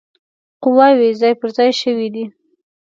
قواوي ځای پر ځای شوي دي.